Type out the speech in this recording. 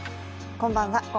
こんばんは。